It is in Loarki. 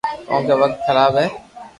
ڪونڪہ وقت خراب ھي